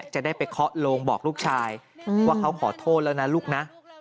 จะได้ไปเคาะโลงบอกลูกชายว่าเขาขอโทษแล้วนะลูกนะ